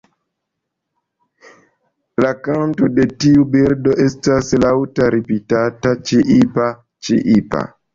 La kanto de tiu birdo estas laŭta ripetata "ĉiipa-ĉiipa".